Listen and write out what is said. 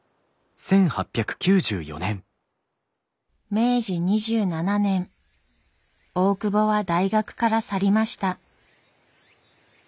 明治２７年大窪は大学から去りました。